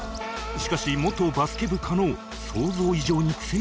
しかし元バスケ部加納想像以上に苦戦が続き